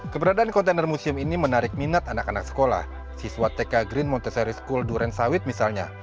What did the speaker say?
keberadaan kontainer museum ini menarik minat anak anak sekolah siswa tk green montesary school duren sawit misalnya